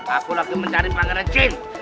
aku lagi mencari pangeran chain